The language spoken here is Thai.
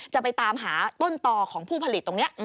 จะไปตามหาต้นต่อของผู้ผลิตตรงนี้